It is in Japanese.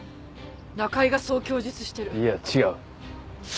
中井がそう供述してるいや違う！